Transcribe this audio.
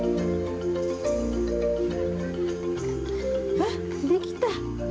あっできた。